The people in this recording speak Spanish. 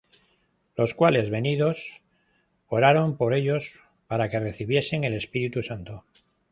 Los cuales venidos, oraron por ellos, para que recibiesen el Espíritu Santo;